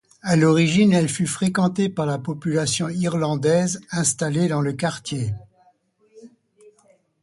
À l'origine, elle fut fréquentée par la population irlandaise installée dans le quartier.